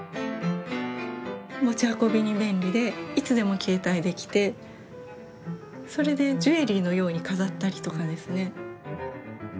持ち運びに便利でいつでも携帯できてそれでジュエリーのように飾ったりとかですね。